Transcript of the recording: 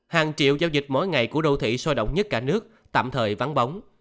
hàng triệu giao dịch mỗi ngày của đô thị sôi động nhất cả nước tạm thời vắng bóng